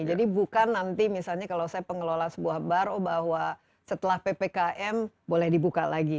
jadi bukan nanti misalnya kalau saya pengelola sebuah baro bahwa setelah ppkm boleh dibuka lagi